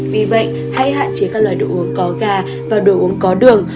vì vậy hãy hạn chế các loài đồ uống có gà và đồ uống có đường